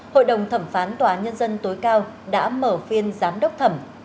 hội đồng thẩm phán tòa nhân dân tối cao đã mở phiên giám đốc thẩm